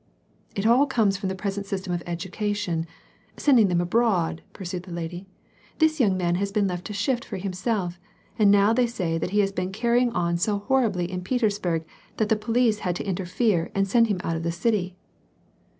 " It all comes from the present system of education. Send ing them abroad !" pursued the lady. " This young man has been left to shift for himself, and, now they say that he has been carrying on so horribly in Petersburg, that the police had to interfere and send him out of the city."